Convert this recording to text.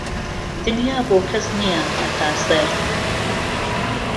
دنیا بۆ کهس نییه ههتا سەر